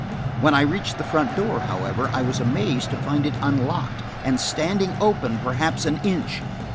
When I reached the front door, however, I was amazed to find it unlocked, and standing open perhaps an inch.